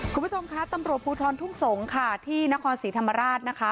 คุณผู้ชมคะตำรวจภูทรทุ่งสงศ์ค่ะที่นครศรีธรรมราชนะคะ